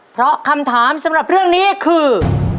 เพราะคำถามสำหรับเรื่องนี้คือ